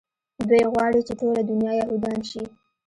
دوى غواړي چې ټوله دونيا يهودان شي.